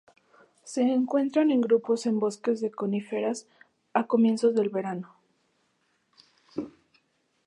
Se encuentran en grupos en bosques de coníferas a comienzos del verano.